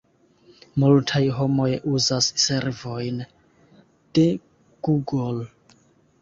Multaj homoj uzas servojn de Google.